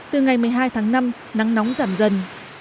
từ ngày một mươi hai tháng năm nắng nóng giảm dần